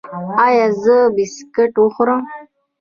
ایا زه بسکټ وخورم؟